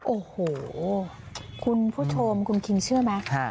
โอ้โหคุณผู้ชมคุณคิงเชื่อไหม